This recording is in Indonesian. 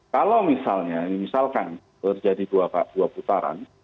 kalau misalnya misalkan terjadi dua putaran